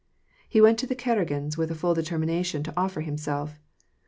He went to the Karagins with a full determination to offer himself.